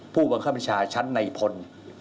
ผู้บัคคบรรชาชั้นในพลฯ